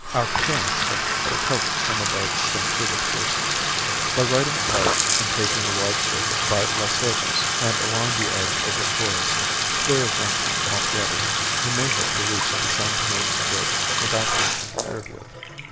Our peons have recovered some of our stampeded horses. By riding hard and taking a wide circuit by Los Hatos and along the edge of the forest, clear of Rincon altogether, you may hope to reach the San Tome bridge without being interfered with.